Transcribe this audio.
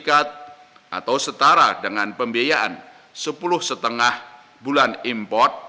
atau setara dengan pembiayaan sepuluh lima bulan import